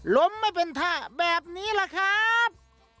ล้มไม่เป็นท่าแบบนี้ล่ะครับ